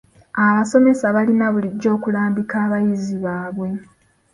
Abasomesa balina bulijjo okulambika abayizi baabwe.